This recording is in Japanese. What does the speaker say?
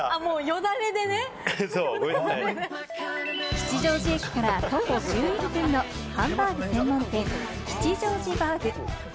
吉祥寺駅から徒歩１１分のハンバーグ専門店、吉祥寺バーグ。